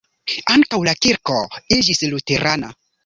Ankaŭ la kirko iĝis luterana.